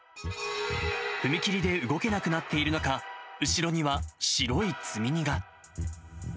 踏切で動けなくなっているのか、後ろには白い積み荷が。